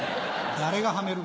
誰がはめる？